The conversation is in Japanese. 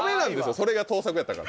それが盗作やったから。